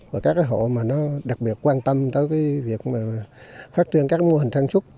và các cái hộ mà nó đặc biệt quan tâm tới cái việc mà phát triển các mô hình trang sức